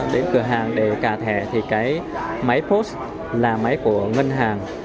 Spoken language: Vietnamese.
đến cửa hàng để cà thẻ thì cái máy post là máy của ngân hàng